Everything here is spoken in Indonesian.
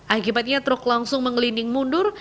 akibatnya truk langsung mengelinding mundur